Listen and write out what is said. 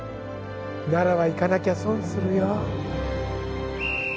奈良は行かなきゃ損するよ。